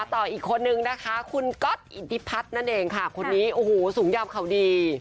ต่ออีกคนนึงนะคะคุณก๊อตอิทธิพัฒน์นั่นเองค่ะคนนี้โอ้โหสูงยามเขาดี